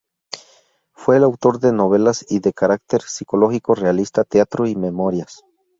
Fue el autor de novelas de carácter psicológico realista, teatro y memorias.